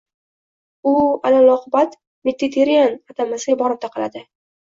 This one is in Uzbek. U alaloqibat Mediterranean atamasiga borib taqaladi